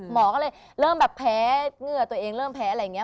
หมอก็เลยเริ่มแบบแพ้เหงื่อตัวเองเริ่มแพ้อะไรอย่างนี้